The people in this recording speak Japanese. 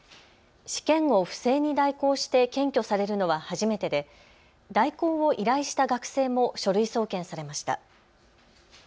試験を不正に代行して検挙されるのは初めてで代行を依頼した学生も書類送検されました。